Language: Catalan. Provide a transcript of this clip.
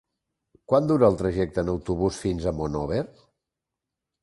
Quant dura el trajecte en autobús fins a Monòver?